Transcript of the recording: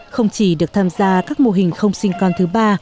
không chỉ được tham gia các mô hình không sinh con thứ ba